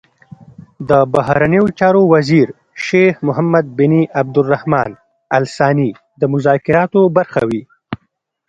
د بهرنیو چارو وزیر شیخ محمد بن عبدالرحمان ال ثاني د مذاکراتو برخه وي.